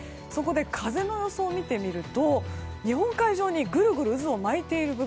風の予想を見てみると日本海上にぐるぐる渦を巻いているもの